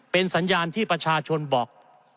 เป็นสัญญาณที่ประชาชนบอก